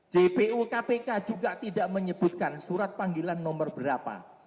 jpu kpk juga tidak menyebutkan surat panggilan nomor berapa